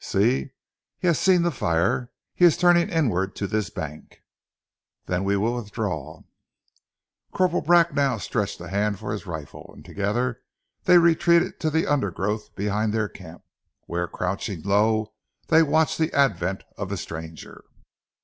See, he has seen the fire, he is turning inward to this bank." "Then we will withdraw." Corporal Bracknell stretched a hand for his rifle, and together they retreated to the undergrowth behind their camp, where, crouching low, they watched the advent of the stranger.